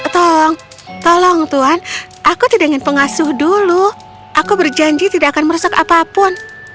tolong tolong tuhan aku tidak ingin pengasuh dulu aku berjanji tidak akan merusak apapun